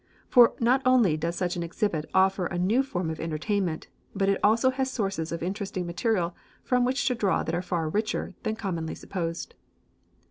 For not only does such an exhibition offer a new form of entertainment, but it also has sources of interesting material from which to draw that are far richer than commonly supposed.